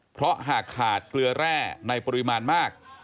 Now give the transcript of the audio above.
เพราะหากขาดเกลือแร่ในปริมาณมาก